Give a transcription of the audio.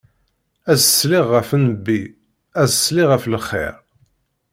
Ad ṣelliɣ ɣef Nnbi, ad ṣelliɣ ɣef lxir.